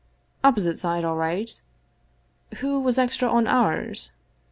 Opposite side all right. Who was extra on ours